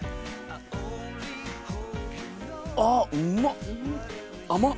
あっうまっ！